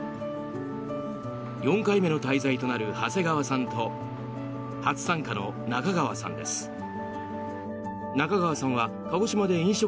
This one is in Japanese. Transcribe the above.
４回目の滞在となる長谷川さんと初参加の中川さんです。